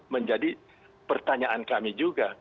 menjadi pertanyaan kami juga